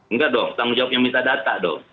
enggak dong tanggung jawab yang minta data dong